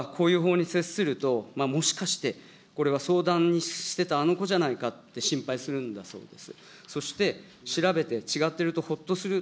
しみず代表は、こういうほうに接すると、これは相談しては、あの子じゃないかと心配するんだそうです。